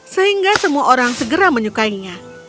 sehingga semua orang segera menyukainya